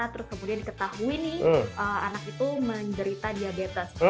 terus kemudian diketahui nih anak itu menderita diabetes